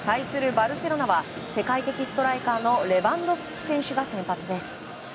バルセロナは世界的ストライカーのレバンドフスキ選手が先発です。